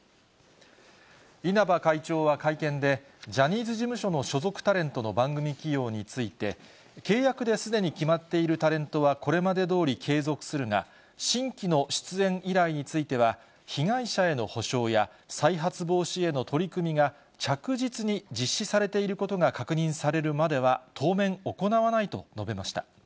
稲葉会長は会見で、ジャニーズ事務所の所属タレントの番組起用について、契約ですでに決まっているタレントはこれまでどおり継続するが、新規の出演依頼については、被害者への補償や、再発防止への取り組みが着実に実施されていることが確認されるまでは、当面、行わないと述べました。